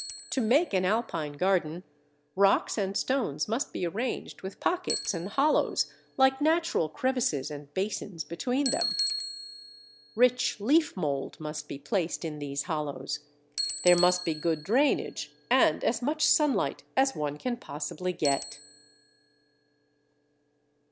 To make an Alpine garden, rocks and stones must be arranged with pockets and hollows, like natural crevices and basins, between them. Rich leaf mould must be placed in these hollows. There must be good drainage, and as much sunlight as one can possibly get.